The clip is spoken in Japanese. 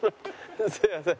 すいません。